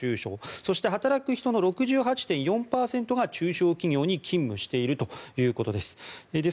そして、働く人の６８．４％が中小企業に勤務しているということです。